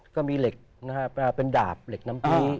ก็มีเหล็กนะครับเป็นดาบเหล็กน้ำพี